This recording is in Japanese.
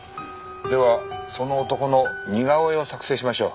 ではその男の似顔絵を作成しましょう。